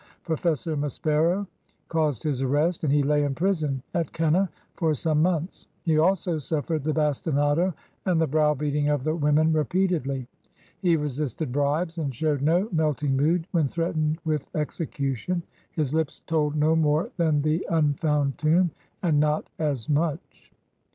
Professor Maspero caused his arrest, and he lay in prison at Keneh for some months. He also suffered the bastinado and the browbeating of the women repeatedly; he resisted bribes, and showed no melting mood when threatened with execution. His lips told no more than the imfound tomb — and not as much.